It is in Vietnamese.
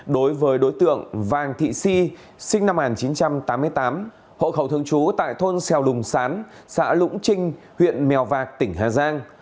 đối với đối tượng vàng thị si sinh năm một nghìn chín trăm tám mươi tám hộ khẩu thường trú tại thôn xèo lùng sán xã lũng trinh huyện mèo vạc tỉnh hà giang